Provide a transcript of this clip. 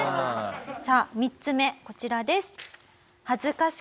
さあ３つ目こちらです。